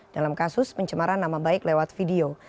dalam kasus pencemaran nama baik lewat video